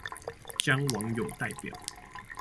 將網友代表